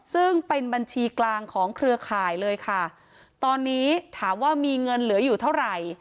ซึ่งเป็นบัญชีกลางของเครือข่ายเลยค่ะตอนนี้ถามว่ามีเงินเหลืออยู่เท่าไหร่